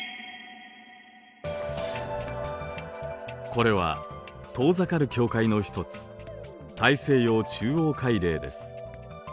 これは遠ざかる境界の一つ大西洋中央海嶺です。